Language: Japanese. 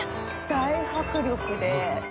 大迫力で。